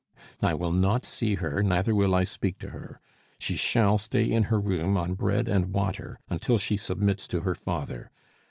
"I will not see her, neither will I speak to her. She shall stay in her room, on bread and water, until she submits to her father.